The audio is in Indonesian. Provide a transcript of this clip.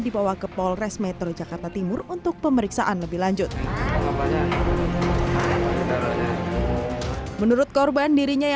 dibawa ke polres metro jakarta timur untuk pemeriksaan lebih lanjut menurut korban dirinya yang